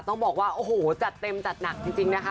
ต้องบอกว่าโอ้โหจัดเต็มจัดหนักจริงนะคะ